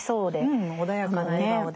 うん穏やかな笑顔で。